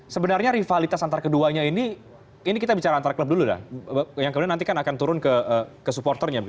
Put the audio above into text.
sebenarnya rivalitas antar keduanya ini ini kita bicara antara klub dulu dah yang kemudian nanti kan akan turun ke supporternya